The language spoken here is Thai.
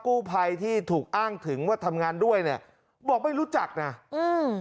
กู้ภัยที่ถูกอ้างถึงว่าทำงานด้วยเนี้ยบอกไม่รู้จักน่ะอืม